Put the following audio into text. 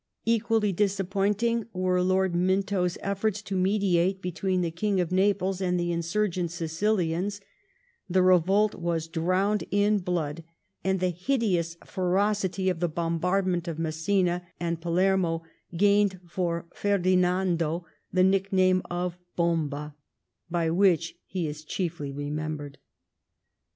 Equally disappointing were Lord Minto's efforta^ to mediate between the King of Naples and the insur* gent Sicilians ; the revolt was drowned in bloody and the hideous ferocity of the bombardment of Messina and Palermo gained for Ferdinando the nickname of *' Bomba/' by which he is chiefly remembered.